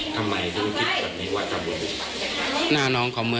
ทำไมจำคนนี้กลัว